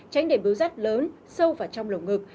tránh để bứu rắt lớn sâu vào trong lồng ngực